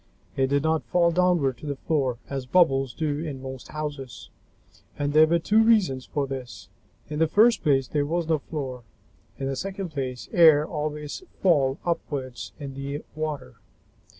It did not fall downward to the floor, as bubbles do in most houses, and there were two reasons for this. In the first place, there was no floor. In the second place, air always falls upward in the water.